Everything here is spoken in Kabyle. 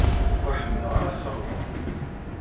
Ur ḥemmleɣ ara ad t-xalḍeɣ.